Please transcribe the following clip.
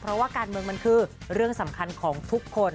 เพราะว่าการเมืองมันคือเรื่องสำคัญของทุกคน